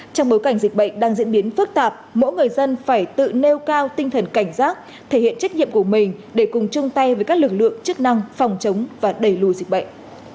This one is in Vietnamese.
trong bối cảnh dịch bệnh đang diễn biến phức tạp mỗi người dân phải tự nêu cao tinh thần cảnh giác thể hiện trách nhiệm của mình để cùng chung tay với các lực lượng chức năng phòng chống và đẩy lùi dịch bệnh